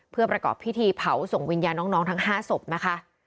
เพื่อประกอบพิธีเผาส่งวิญญาณน้องทั้ง๕ศพนะคะ